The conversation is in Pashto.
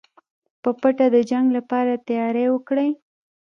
په پټه د جنګ لپاره تیاری وکړئ.